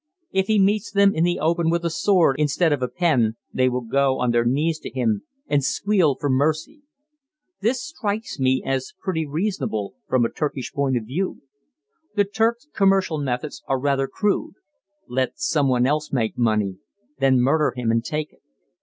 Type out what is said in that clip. If he meets them in the open with a sword instead of a pen they will go on their knees to him and squeal for mercy. This strikes me as pretty reasonable from a Turkish point of view. The Turks' commercial methods are rather crude: "Let some one else make money, then murder him and take it."